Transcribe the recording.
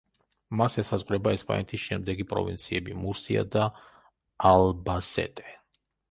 მას ესაზღვრება ესპანეთის შემდეგი პროვინციები: მურსია და ალბასეტე.